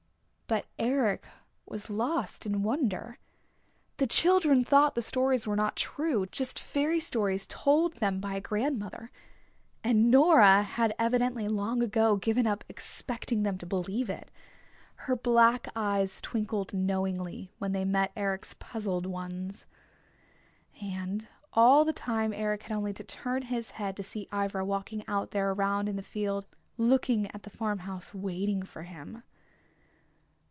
But Eric was lost in wonder. The children thought the stories were not true, just fairy stories told them by a grandmother. And Nora had evidently long ago given up expecting them to believe. Her black eyes twinkled knowingly when they met Eric's puzzled ones. And all the time Eric had only to turn his head to see Ivra walking out there around in the field, looking at the farm house, waiting for him.